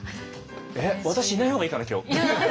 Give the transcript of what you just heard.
えっ私いない方がいいかな今日。